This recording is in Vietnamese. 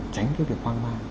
tránh cái việc hoang mang